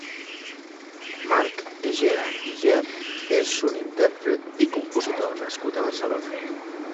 Marc Egea i Ger és un intèrpret i compositor nascut a Barcelona.